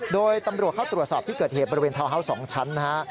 โดยตำรวจเข้าตรวจสอบที่เกิดเหตุบริเวณทาวน์ฮาวส์๒ชั้นนะฮะ